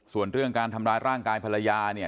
ส่วนเรื่องการทำร้ายร่างกายภรรยาเนี่ย